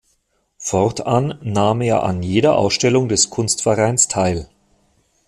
Fortan nahm er an jeder Ausstellung des Kunstvereins teil.